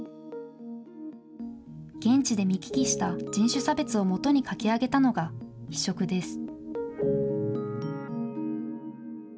現地で見聞きした人種差別を基にして書き上げたのが非色です。